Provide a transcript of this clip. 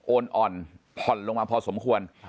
โอนอ่อนพลลงมาพอสมควร